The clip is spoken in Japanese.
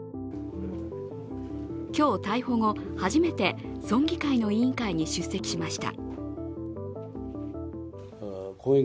今日、逮捕後初めて村議会の議会に出席しました。